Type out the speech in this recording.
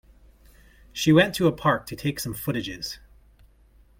She went to a park to take some footages.